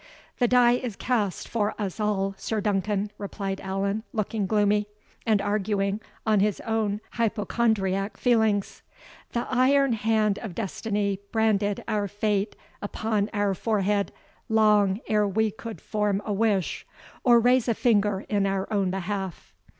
"The die is cast for us all, Sir Duncan," replied Allan, looking gloomy, and arguing on his own hypochondriac feelings; "the iron hand of destiny branded our fate upon our forehead long ere we could form a wish, or raise a finger in our own behalf.